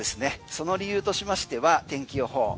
その理由としましては天気予報。